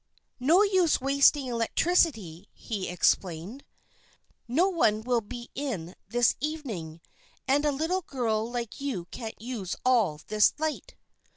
"No use wasting electricity," he explained. "No one will be in this evening, and a little girl like you can't use all this light."